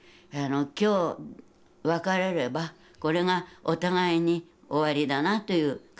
今日別れればこれがお互いに終わりだなという感覚がありましたね。